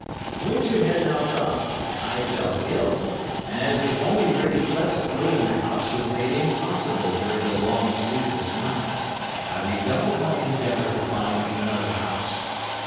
"Winter had now come, and I fell ill, and as the only really pleasant room in the house was made impossible during the long sleepless nights, I redoubled my endeavour to find another house.